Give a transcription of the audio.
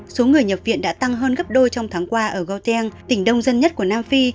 số người nhập viện đã tăng hơn gấp đôi trong tháng qua ở gotien tỉnh đông dân nhất của nam phi